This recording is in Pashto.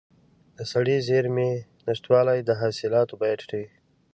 د سړې زېرمې نشتوالی د حاصلاتو بیه ټیټوي.